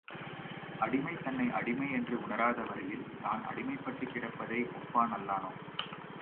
அடிமை தன்னை அடிமை என்று உணராத வரையில் தான் அடிமைப்பட்டுக் கிடப்பதை ஒப்பான் அல்லனோ?